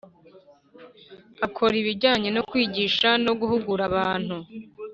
Akora ibijyanye no kwigisha no guhugura abantu